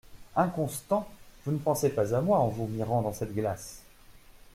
Inconstant ! vous ne pensez pas à moi en vous mirant dans cette glace.